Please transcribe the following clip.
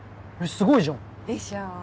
すごいじゃん！でしょ？